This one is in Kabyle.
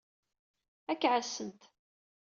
Ad k-ɛassent.